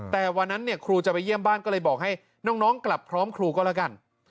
แต่วันนั้นเนี่ยครูจะไปเยี่ยมบ้านก็เลยบอกให้น้องกลับพร้อมครูก็แล้วกัน